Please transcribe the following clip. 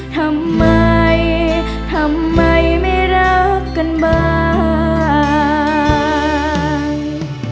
ทำไมทำไมไม่รักกันบ้าง